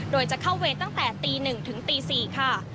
โดยจะเข้าเวรตั้งแต่ตี๑ถึงตี๔ค่ะ